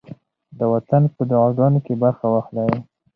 د وطن په دعاګانو کې برخه واخلئ.